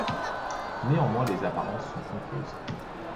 Néanmoins, les apparences sont trompeuses.